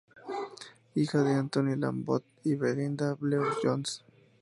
Hija de Anthony Lambton y Belinda Blew-Jones.